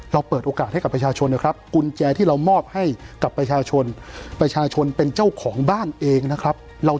เราเปิดโอกาสให้กับประชาชนนะครับ